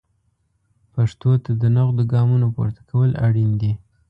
پښتو ته د نغدو ګامونو پورته کول اړین دي.